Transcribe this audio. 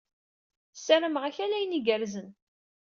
Ssarameɣ-ak ala ayen igerrzen.